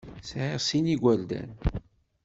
Sɛiɣ sin n yigerdan.